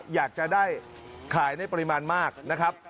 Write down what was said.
อยากจะได้ขายในปริมาณมากนะครับ